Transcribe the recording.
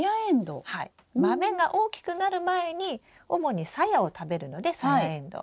豆が大きくなる前に主にさやを食べるのでサヤエンドウ。